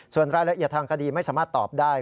ส่วนรายละเอียดทางคดีไม่สามารถตอบได้